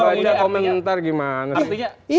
baca komentar gimana sih